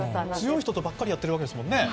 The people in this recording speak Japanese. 強い人とばかりやってるわけですもんね。